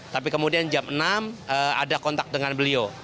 tapi kemudian jam enam ada kontak dengan beliau